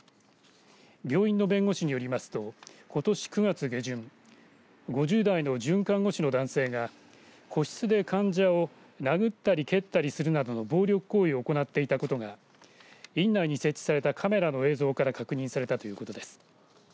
病院の弁護士によりますとことし９月下旬５０代の准看護師の男性が個室で患者を殴ったり蹴ったりするなどの暴力行為を行っていたことが院内に設置されたカメラの映像から確認されたということです。